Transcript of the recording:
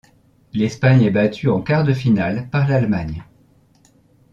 L'Espagne est battue en quart de finale par l'Allemagne.